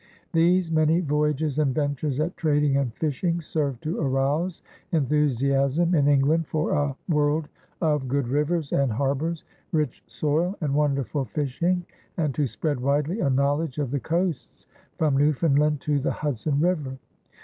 These many voyages and ventures at trading and fishing served to arouse enthusiasm in England for a world of good rivers and harbors, rich soil, and wonderful fishing, and to spread widely a knowledge of the coasts from Newfoundland to the Hudson River.